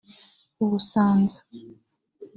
Ubusanza